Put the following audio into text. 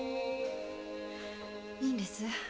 いいんです。